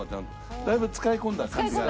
だいぶ使い込んだ感じが。